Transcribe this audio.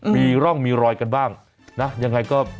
มีร่องมีรอยกันบ้างนะยังไงก็